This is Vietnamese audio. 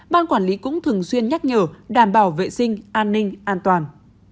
ban quản lý cũng thường xuyên nhắc nhở đảm bảo vệ sinh an ninh an toàn